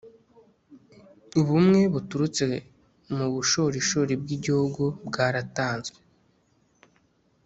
ubumwe buturutse mu bushorishori bw' i gihugu bwaratanzwe.